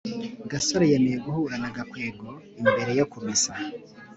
gasore yemeye guhura na gakwego imbere yo kumesa